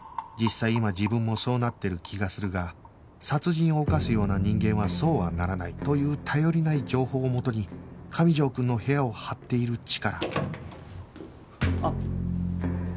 実際今自分もそうなってる気がするが殺人を犯すような人間はそうはならないという頼りない情報を元に上条くんの部屋を張っているチカラあっ。